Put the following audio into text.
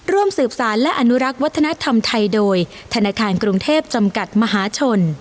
ร่วมสืบสารและอนุรักษ์วัฒนธรรมไทยโดยธนาคารกรุงเทพจำกัดมหาชน